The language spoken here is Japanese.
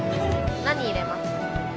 何入れますか？